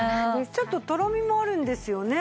ちょっととろみもあるんですよね。